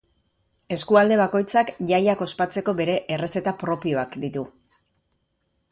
Eskualde bakoitzak jaiak ospatzeko bere errezeta propioak ditu.